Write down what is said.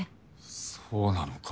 そうなのか。